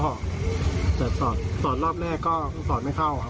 แต่วันแรกสอดไม่เข้า